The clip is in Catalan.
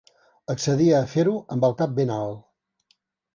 Accedia a fer-ho amb el cap ben alt.